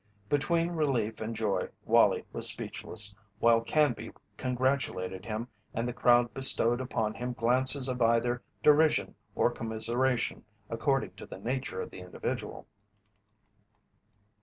Between relief and joy Wallie was speechless, while Canby congratulated him and the crowd bestowed upon him glances of either derision or commiseration, according to the nature of the individual.